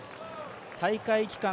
大会期間